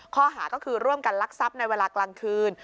ข้อหาก็คือร่วมกันลักทรัพย์ในเวลากลางคืน